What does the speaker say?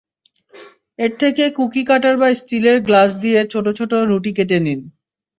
এর থেকে cookie cutter বা স্টিলের গ্লাস দিয়ে ছোটো ছোটো রুটি কেটে নিন।